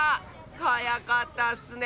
はやかったッスね！